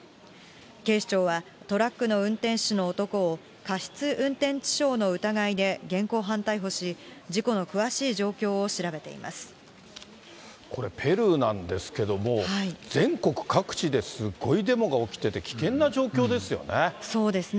警視庁は、トラックの運転手の男を、過失運転致傷の疑いで現行犯逮捕し、これ、ペルーなんですけども、全国各地ですごいデモが起きてて、危険な状況ですよね。